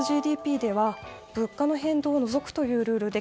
ＧＤＰでは物価の変動を除くというルールで